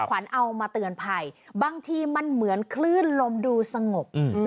ขวัญเอามาเตือนภัยบางทีมันเหมือนคลื่นลมดูสงบ